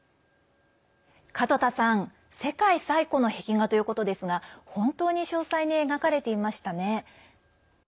門田さん、世界最古の壁画ということですが本当に詳細に描かれていましたね。